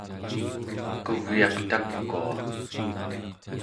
kuvyaq takua